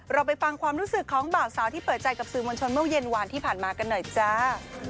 เราไปฟังความรู้สึกของบ่าวสาวที่เปิดใจกับสื่อมวลชนเมื่อเย็นวานที่ผ่านมากันหน่อยจ้า